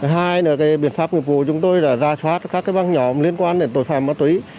hai là biện pháp nghiệp vụ chúng tôi đã ra soát các băng nhóm liên quan đến tội phạm ma túy